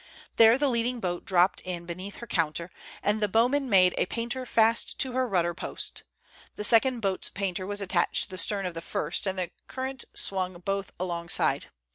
There the leading boat dropped in beneath her counter, and the bowman made the painter fast to her rudder post. The second boat's painter was attached to the stern of the first, and the current swung both alongside.